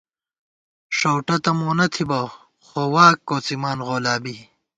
ݭؤٹہ تہ مونہ تھِبہ ، خو واک کوڅِمان غولابی